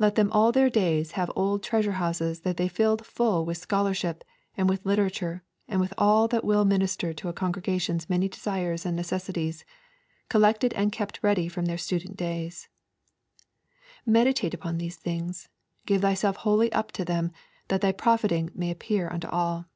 Let them all their days have old treasure houses that they filled full with scholarship and with literature and with all that will minister to a congregation's many desires and necessities, collected and kept ready from their student days. 'Meditate upon these things; give thyself wholly up to them, that thy profiting may appear unto all.'